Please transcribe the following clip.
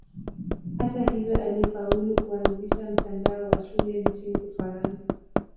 Hata hivyo alifaulu kuanzisha mtandao wa shule nchini Ufaransa.